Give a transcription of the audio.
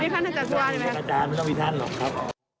เรียกแบบท่านอาจารย์ผู้ว่าไม่ต้องมีท่านหรอกครับ